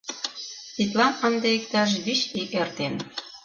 Тидлан ынде иктаж вич ий эртен.